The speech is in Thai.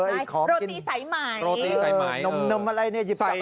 โรตีใส่ไหมโรตีใส่ไหมน้ำอะไรเนี่ยหยิบจับอะไรอ่ะ